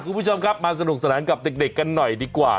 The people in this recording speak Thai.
คุณผู้ชมครับมาสนุกสนานกับเด็กกันหน่อยดีกว่า